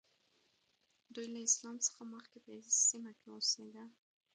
دوی له اسلام څخه مخکې په سیمه کې اوسېدل.